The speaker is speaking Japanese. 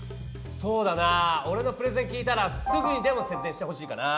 そうだなおれのプレゼン聞いたらすぐにでも節電してほしいかな。